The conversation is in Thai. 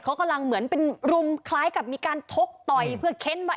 เขากำลังเหมือนเป็นรุมคล้ายกับมีการชกต่อยเพื่อเค้นว่า